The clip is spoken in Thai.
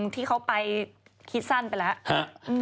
ที่เขาไปคิดสั้นไปแล้ว